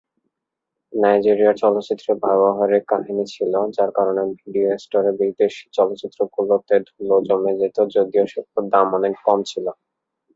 নাইজেরিয়ার চলচ্চিত্রে ব্যবহারিক কাহিনী ছিল, যার কারণে ভিডিও স্টোরে বিদেশি চলচ্চিত্রগুলোতে ধুলো জমে যেত যদিও সেগুলোর দাম অনেক কম ছিল।